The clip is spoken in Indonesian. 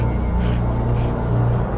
siapa di dalam